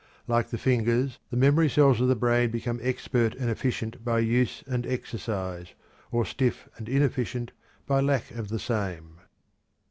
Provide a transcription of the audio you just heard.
Like the fingers, the memory cells of the brain become expert and efficient by use and exercise, or stiff and inefficient by lack of the same.